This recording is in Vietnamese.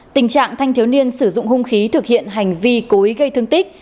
tình trạng thanh thiếu niên sử dụng hung khí thực hiện hành vi cố ý gây thương tích